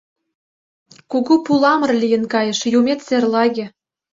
Кугу пуламыр лийын кайыш, юмет серлаге.